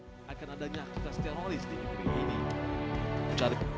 akan adanya kastil olis di kiri ini